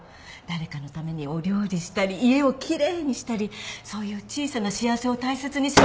誰かのためにお料理したり家を奇麗にしたりそういう小さな幸せを大切にすることが。